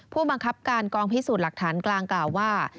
ผู้บังคับการกองพิสูจน์หลักฐานกลางกล่าวว่า